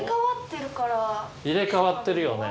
入れ替わってるよね。